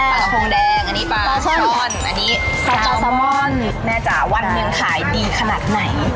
กระโพงแดงอันนี้ปลาซอนอันนี้ซามอนแม่จ๋าวันหนึ่งขายดีขนาดไหน